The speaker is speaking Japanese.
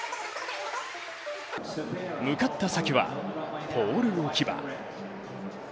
向かった先は、ポール置き場。